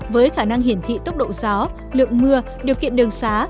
với khả năng hiển thị tốc độ gió lượng mưa điều kiện đường xá